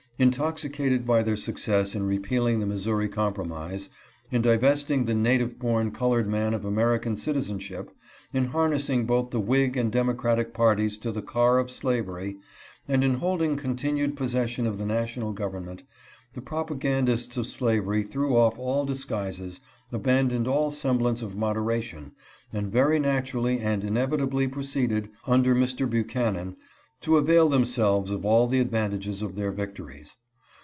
Intoxicated by their success in repealing the Missouri compromise — in divesting the native born colored man of American citizenship — in harnessing both the Whig and Democratic parties to the car of slavery, and in holding continued possession of the national gov ernment, the propagandists of slavery threw off all dis guises, abandoned all semblance of moderation, and very naturally and inevitably proceeded, under Mr. Buchanan, to avail themselves of all the advantages of their victories.